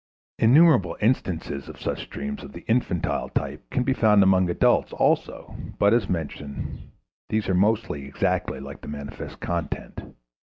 Innumerable instances of such dreams of the infantile type can be found among adults also, but, as mentioned, these are mostly exactly like the manifest content.